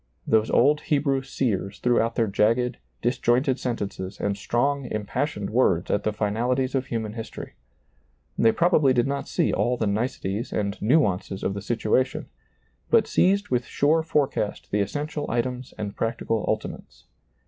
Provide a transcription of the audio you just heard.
Those old Hebrew seers threw out their jagged, disjointed sentences and strong, impassioned words at the finalities of human history. They probably did not see all the niceties and nuances of the situation, but seized with sure forecast the essential items and practical ultimates.